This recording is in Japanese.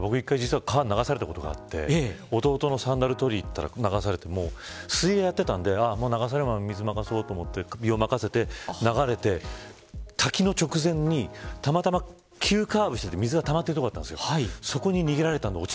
僕、１回実は川に流されたことがあって弟のサンダルを取りにいったら流されて水泳をやっていたので流されるままに身を任せて流れて滝の直前がたまたま急カーブしていて水がたまってる所があったんです。